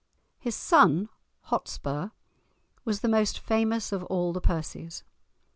His son, "Hotspur," was the most famous of all the Percies.